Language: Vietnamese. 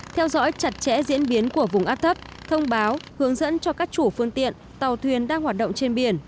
theo dõi chặt chẽ diễn biến của vùng áp thấp thông báo hướng dẫn cho các chủ phương tiện tàu thuyền đang hoạt động trên biển